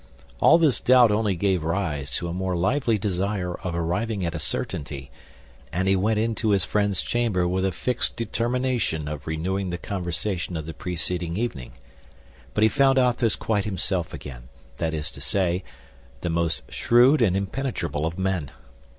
All this doubt only gave rise to a more lively desire of arriving at a certainty, and he went into his friend's chamber with a fixed determination of renewing the conversation of the preceding evening; but he found Athos quite himself again—that is to say, the most shrewd and impenetrable of men.